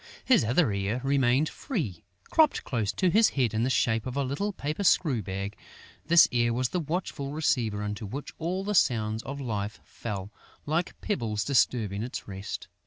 His other ear remained free. Cropped close to his head in the shape of a little paper screw bag, this ear was the watchful receiver into which all the sounds of life fell, like pebbles disturbing its rest.